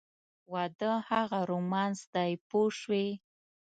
واده هغه رومانس دی پوه شوې!.